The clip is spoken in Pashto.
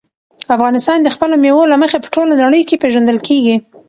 افغانستان د خپلو مېوو له مخې په ټوله نړۍ کې پېژندل کېږي.